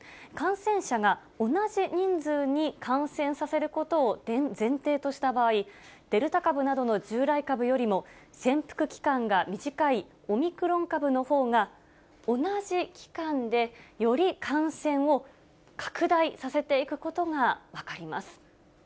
感染者が同じ人数に感染させることを前提とした場合、デルタ株などの従来株よりも潜伏期間が短いオミクロン株のほうが、同じ期間で、より感染を拡大させていくことが分かります。